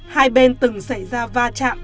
hai bên từng xảy ra va chạm